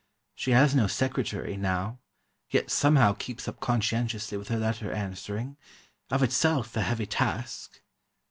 She has no secretary, now, yet somehow keeps up conscientiously with her letter answering—of itself a heavy task.